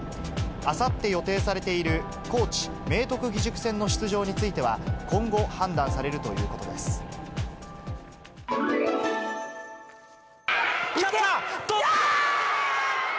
あさって予定されている、高知・明徳義塾戦の出場については、今後、判断されるということやったー！